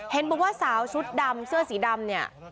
เห็นบอกว่าสาวชุดดำเสื้อสีดำเนี่ย